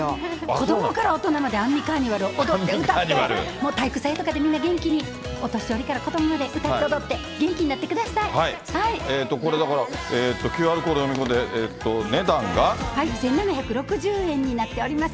子どもから大人まで、アンミカーニバルを踊って、歌って、もう体育祭とかみんな元気でお年寄りから子どもまで歌って踊って、これだから、１７６０円になっております。